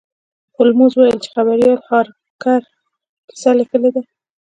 هولمز وویل چې خبریال هارکر کیسه لیکلې ده.